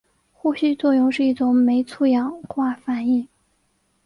呼吸作用是一种酶促氧化反应。